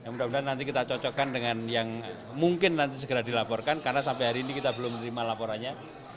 mudah mudahan nanti kita cocokkan dengan yang mungkin nanti segera dilaporkan karena sampai hari ini kita belum terima laporannya